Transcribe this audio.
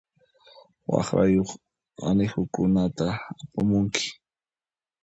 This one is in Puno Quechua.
Waqrayuq anihukunata apamunki.